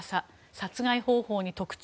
殺害方法に特徴。